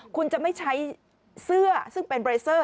คุณจะไม่ใช้เสื้อซึ่งเป็นเรเซอร์